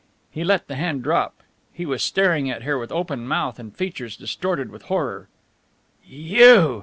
He let the hand drop. He was staring at her with open mouth and features distorted with horror. "You!"